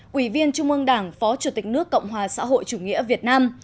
quỷ viên trung ương đảng phó chủ tịch nước cộng hòa xã hội chủ nghĩa việt nam